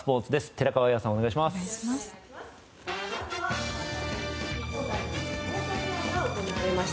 寺川綾さん、お願いします。